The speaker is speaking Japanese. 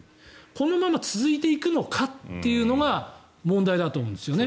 このまま続いていくのかというのが問題だと思うんですよね。